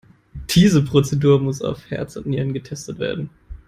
Diese Prozedur muss auf Herz und Nieren getestet werden.